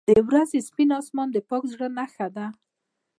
• د ورځې سپین آسمان د پاک زړه نښه ده.